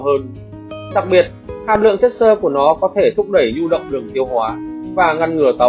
hơn đặc biệt hàm lượng chất xơ của nó có thể thúc đẩy du động lượng tiêu hóa và ngăn ngừa táo